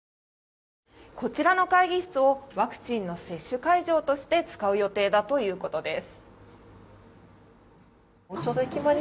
こちらの会議室をワクチンの接種会場として使う予定だということです。